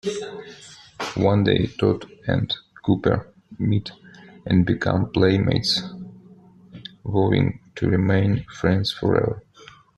One day, Tod and Copper meet and become playmates, vowing to remain "friends forever".